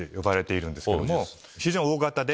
非常に大型で。